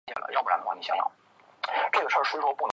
其继室姚倚云是桐城派姚鼐的侄曾孙女。